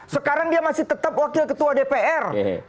sekarang dia masih tetap wakil ketua dpr